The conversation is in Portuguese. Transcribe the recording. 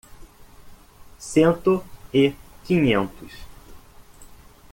Cento e quinhentos